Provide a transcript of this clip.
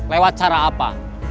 lewat cara apa